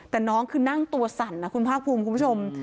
แต่น้องคือนั่งตัวสั่นนะคุณภาคภูมิคุณผู้ชม